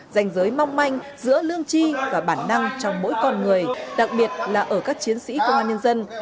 dành giới mong manh giữa lương chi và bản năng trong mỗi con người đặc biệt là ở các chiến sĩ công an nhân dân